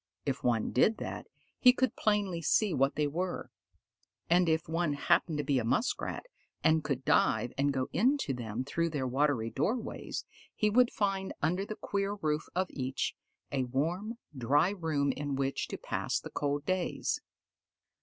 If one did that, he could plainly see what they were; and if one happened to be a Muskrat, and could dive and go into them through their watery doorways, he would find under the queer roof of each, a warm, dry room in which to pass the cold days.